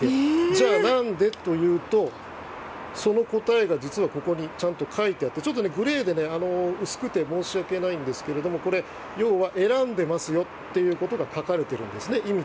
じゃあ、何で？というとその答えが実は書いてあってグレーで薄くて申し訳ないんですが要は選んでいますよということが書かれているんです。